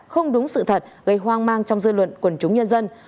không đúng sự thật gây hoang mang trong dư luận quần chúng nhân dân